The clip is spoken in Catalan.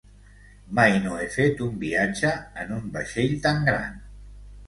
Mai no he fet un viatge en un vaixell tan gran.